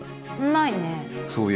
ないね。